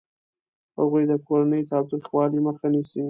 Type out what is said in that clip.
هغوی د کورني تاوتریخوالي مخه نیسي.